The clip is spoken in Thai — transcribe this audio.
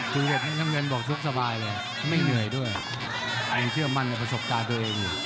คุยกันแน่น้ำเงินบอกสุขสบายเลยไม่เหนื่อยด้วยยินเชื่อมั่นในประสบการณ์ตัวเอง